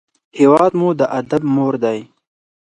هېواد مو د ادب مور دی